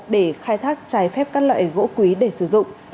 và khai thác trải phép các loại gỗ quý để sử dụng